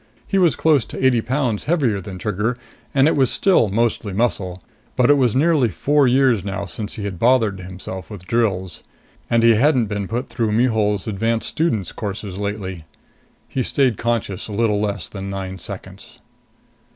He was close to eighty pounds heavier than Trigger, and it was still mostly muscle. But it was nearly four years now since he had bothered himself with drills. And he hadn't been put through Mihul's advanced students' courses lately. He stayed conscious a little less than nine seconds.